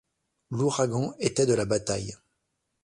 L’ouragan était de la bataille.